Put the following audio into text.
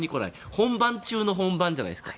本番中に本番じゃないですか。